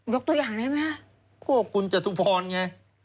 ยกตัวอย่างได้ไหมครับ